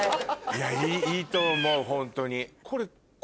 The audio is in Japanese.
いやいいと思うホントに。